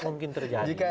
sangat mungkin terjadi